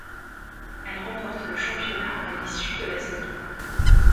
Elle remporte le championnat à l'issue de la saison.